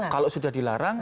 kalau sudah dilarang